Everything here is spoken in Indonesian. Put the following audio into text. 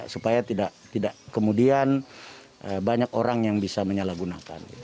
supaya tidak kemudian banyak orang yang bisa menyalahgunakan